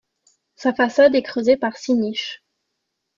Sa façade est creusée par six niches.